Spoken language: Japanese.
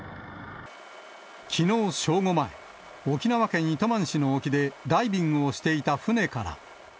きのう正午前、沖縄県糸満市の沖でダイビングをしていた船から。